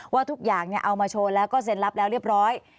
ว่าทุกอย่างเอามาโชว์แล้วก็เซ็นรับแล้วเรียบร้อย